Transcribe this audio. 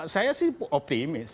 saya sih optimis